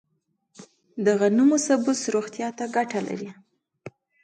د غنمو سبوس روغتیا ته ګټه لري.